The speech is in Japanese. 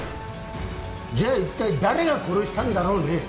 じゃあ一体誰が殺したんだろうねえ？